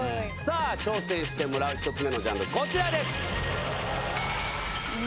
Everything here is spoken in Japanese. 挑戦してもらう１つ目のジャンルはこちらです！